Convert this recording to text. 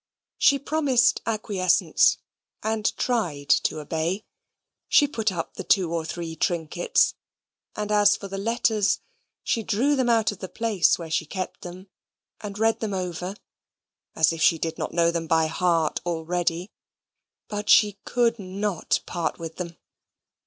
She promised acquiescence, and tried to obey. She put up the two or three trinkets: and, as for the letters, she drew them out of the place where she kept them; and read them over as if she did not know them by heart already: but she could not part with them.